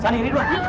sani ini dulu